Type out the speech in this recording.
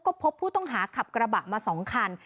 ก็พบผู้ต้องหาขับกระบะมา๒คัน